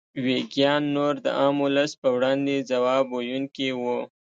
ویګیان نور د عام ولس په وړاندې ځواب ویونکي وو.